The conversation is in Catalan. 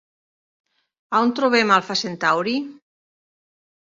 On trobem Alfa Centauri?